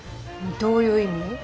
どういう意味？